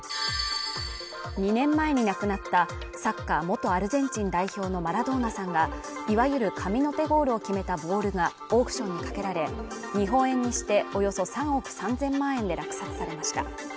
２年前に亡くなったサッカー元アルゼンチン代表のマラドーナさんがいわゆる神の手ゴールを決めたボールがオークションにかけられ日本円にしておよそ３億３０００万円で落札されました